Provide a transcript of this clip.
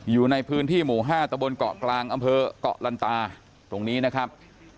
อยู่ในพื้นที่หมู่๕ตะบนเกาะกลางอำเภอกเกาะลันตาตรงนี้นะครับ